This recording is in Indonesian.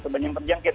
banyak yang terjangkit